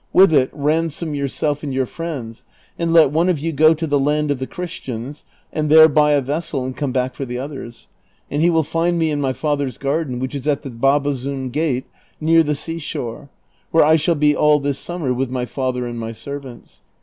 With it ransom yourself and your friends, and let one of you go to the land of the Christians, and there buy a vessel and come back for the others ; and he will find me in my father's garden, whicli is at the Babazoun gate ' near the sea shore, where I shall be all this summer with my father and my servants.